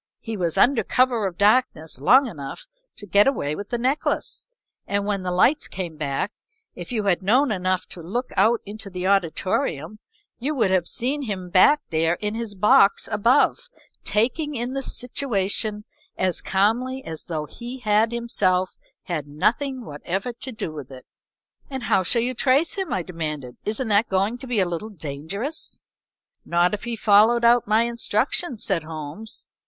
He was under cover of darkness long enough to get away with the necklace, and when the lights came back, if you had known enough to look out into the auditorium you would have seen him back there in his box above, taking in the situation as calmly as though he had himself had nothing whatever to do with it." "And how shall you trace him?" I demanded. "Isn't that going to be a little dangerous?" "Not if he followed out my instructions," said Holmes.